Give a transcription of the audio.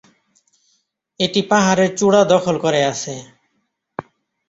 এটি পাহাড়ের চূড়া দখল করে আছে।